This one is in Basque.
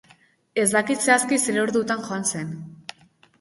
Ez dakit zehazki zer ordutan joan zen.